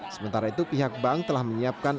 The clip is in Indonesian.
sementara itu pihak bank telah menyiapkan